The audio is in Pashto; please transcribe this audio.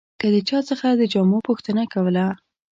که د چا څخه د جامو پوښتنه کوله.